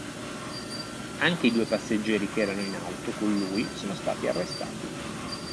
Anche i due passeggeri che erano in auto con lui sono stati arrestati.